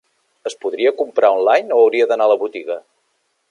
Es podria comprar online o hauria d'anar a la botiga?